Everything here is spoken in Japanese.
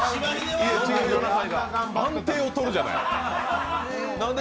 安定をとるじゃない、何で？